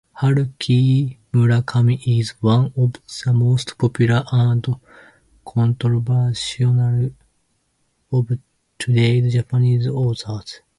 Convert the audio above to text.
Haruki Murakami is one of the most popular and controversial of today's Japanese authors.